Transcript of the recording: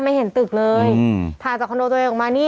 เพราะบางทีบางครั้งคือเราหัวเราะหรือว่าเราอะไรเนี้ย